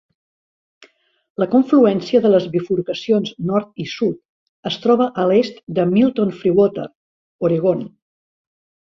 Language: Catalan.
La confluència de les bifurcacions nord i sud es troba a l'est de Milton-Freewater, Oregon.